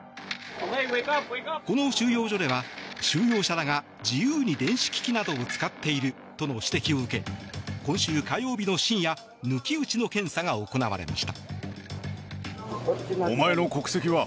この収容所では収容者らが自由に電子機器を使っているなどの指摘を受け今週火曜日の深夜抜き打ちの検査が行われました。